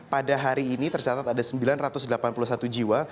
pada hari ini tercatat ada sembilan ratus delapan puluh satu jiwa